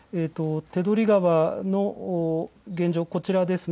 手取川の現状、こちらです。